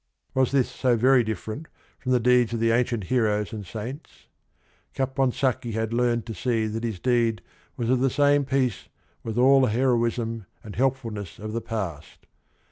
Was this so very different from the deeds of the ancient heroes and saints ? Ca ponsacchi h a d learned to s ee that his_de ed was of the same piece with all the heroism and helpfulnes s of the past.